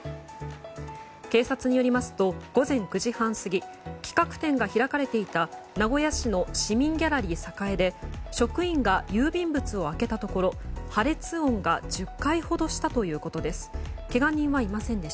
警察によりますと午前９時半過ぎ企画展が開かれていた名古屋市の市民ギャラリー栄で職員が郵便物を開けたところ破裂音が１０回ほどしたということです。